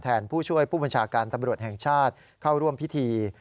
ผู้ช่วยผู้บัญชาการตำรวจแห่งชาติเข้าร่วมพิธี